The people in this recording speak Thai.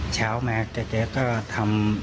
เช้ามาแกก็ทำ